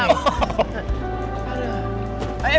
pak huy jalan